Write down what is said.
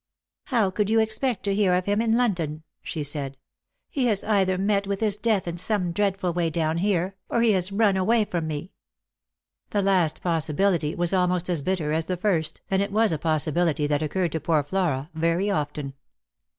" How could you expect to hear of him in London ?" she said. " He has either met with his death in some dreadful way down here, or he has run away from me." The last possibility was almost as bitter as the first, and it was a possibility that occurred to poor Flora very often.